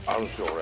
俺。